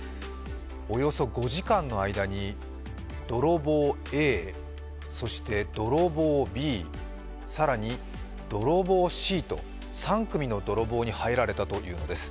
およそ５時間の間に泥棒Ａ、そして泥棒Ｂ、更に泥棒Ｃと、３組の泥棒に入られたというのです。